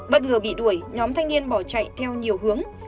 bất ngờ bị đuổi nhóm thanh niên bỏ chạy theo nhiều hướng